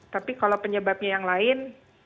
tapi kalau penyebabnya yang lain